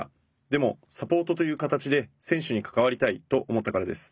でもサポートという形で選手に関わりたいと思ったからです。